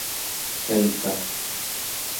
kelka